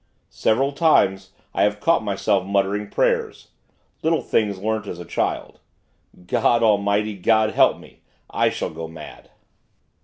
Several times, I have caught myself muttering prayers little things learnt as a child. God, Almighty God, help me! I shall go mad.